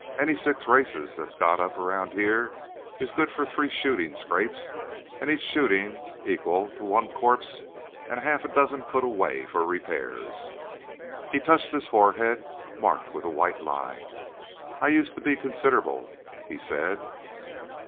Any six races that's got up around here is good for three shooting scrapes, and each shooting's equal to one corpse and half a dozen put away for repairs." He touched his forehead, marked with a white line. "I used to be considerable," he said.